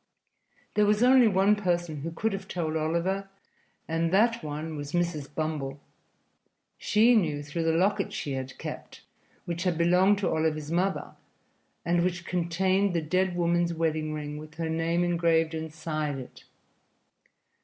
There was only one person who could have told Oliver, and that one was Mrs. Bumble. She knew through the locket she had kept, which had belonged to Oliver's mother and which contained the dead woman's wedding ring with her name engraved inside it.